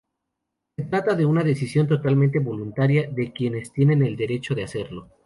Se trata de una decisión totalmente voluntaria de quienes tienen el derecho de hacerlo.